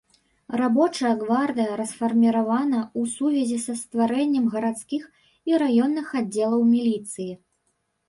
Рабочая гвардыя расфарміравана ў сувязі са стварэннем гарадскіх і раённых аддзелаў міліцыі.